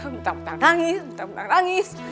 bentar bentar nangis bentar bentar nangis